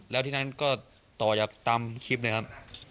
แล้วที่นั้นก็ต่อจากตามคลิปเลยครับ